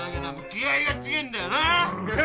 気合が違えんだよな。